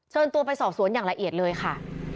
เชิญตัวไปสอบสวนอย่างละเอียดเลยค่ะ